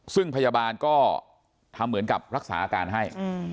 ซึ่งพยาบาลก็ทำเหมือนกับรักษาอาการให้